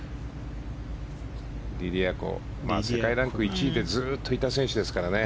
リディア・コ世界ランク１位でずっといた選手ですからね。